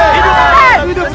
hidup raden hidup raden